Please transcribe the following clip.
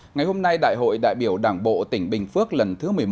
ngày hôm nay đại hội đại biểu đảng bộ tỉnh bình phước lần thứ một mươi một